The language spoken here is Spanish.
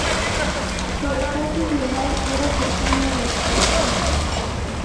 Su estatus legal era cercano a la esclavitud.